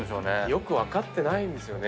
よく分かってないんですよね。